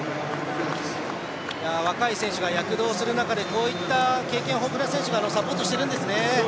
若い選手が躍動する中でこういった経験豊富な選手がサポートしているんですね。